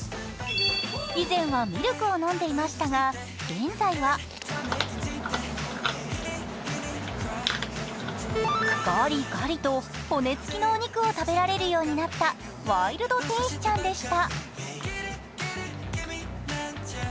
以前はミルクを飲んでいましたが、現在はガリガリと骨つきのお肉を食べられるようになったワイルド天使ちゃんでした。